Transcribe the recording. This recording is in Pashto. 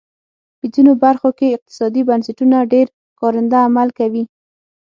په ځینو برخو کې اقتصادي بنسټونه ډېر کارنده عمل کوي.